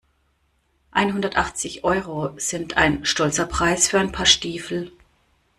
Einhundertachtzig Euro sind ein stolzer Preis für ein Paar Stiefel.